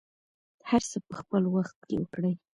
هر څه په خپل وخت وکړئ.